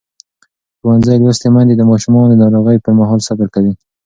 ښوونځې لوستې میندې د ماشومانو د ناروغۍ پر مهال صبر کوي.